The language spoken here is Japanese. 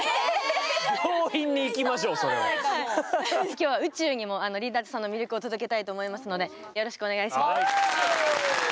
今日は宇宙にもリーダーズさんの魅力を届けたいと思いますのでよろしくお願いします。